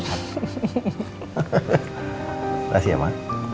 terima kasih ya ma